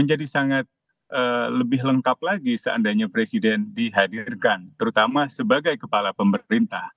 apalagi seandainya presiden dihadirkan terutama sebagai kepala pemerintah